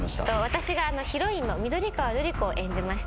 私がヒロインの緑川ルリ子を演じました。